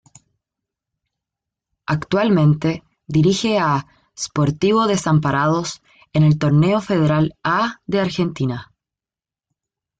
Actualmente dirige a Sportivo Desamparados en el Torneo Federal A de Argentina.